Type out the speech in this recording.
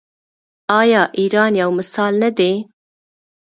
آیا ایران یو مثال نه دی؟